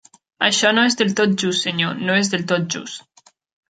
Això no és del tot just senyor, no és del tot just!